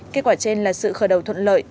kết quả trên là sự khởi đầu thuận lợi